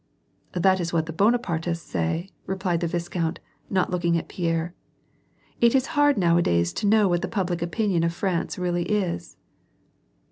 ." That is what the Bonapartists say," replied the viscount, not looking at Pierre. '< It is hard nowadays to know what the public opinion of France really is."